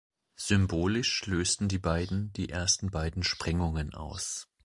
Symbolisch lösten die beiden die ersten beiden Sprengungen aus.